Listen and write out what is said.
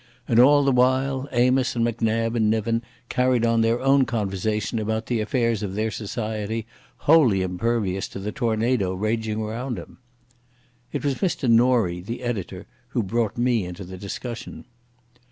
And all the while Amos and Macnab and Niven carried on their own conversation about the affairs of their society, wholly impervious to the tornado raging around them. It was Mr Norie, the editor, who brought me into the discussion.